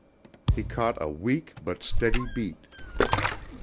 He caught a weak but steady beat.